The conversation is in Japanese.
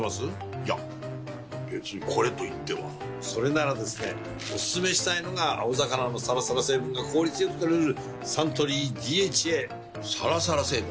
いや別にこれといってはそれならですねおすすめしたいのが青魚のサラサラ成分が効率良く摂れるサントリー「ＤＨＡ」サラサラ成分？